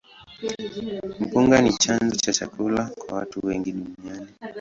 Mpunga ni chanzo cha chakula kwa watu wengi duniani.